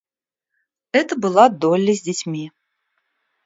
Это была Долли с детьми.